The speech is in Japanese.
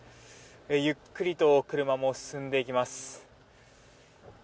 ゆっくりと車も進んでいきます。